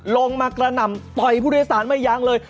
ลงมากระหนับต่อยผู้โดยสาลไว้ย้างเลย